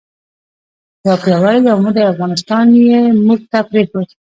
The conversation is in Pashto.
یو پیاوړی یو موټی افغانستان یې موږ ته پرېښود.